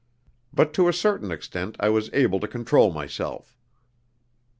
But to a certain extent I was able to control myself.